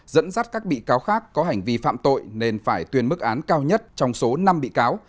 dẫn dắt các bị cáo khác có hành vi phạm tội nên phải tuyên mức án cao nhất trong số năm bị cáo